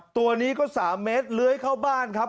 ตัวนี้ก็๓เมตรเลื้อยเข้าบ้านครับ